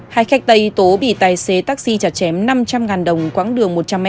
hai khách tây tố bị tài xế taxi chặt chém năm trăm linh đồng quãng đường một trăm linh m